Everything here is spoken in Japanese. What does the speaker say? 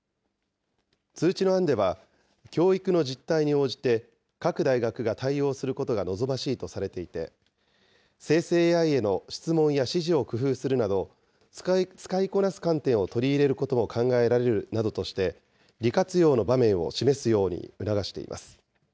通知の案では、教育の実態に応じて、各大学が対応することが望ましいとされていて、生成ＡＩへの質問や指示を工夫するなど使いこなす観点を取り入れることも考えられるなどとして、利活用の場面を示すように促しています。